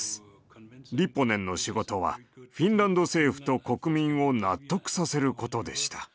リッポネンの仕事はフィンランド政府と国民を納得させることでした。